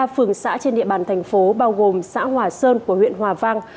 ba phường xã trên địa bàn thành phố bao gồm xã hòa sơn của huyện hòa vang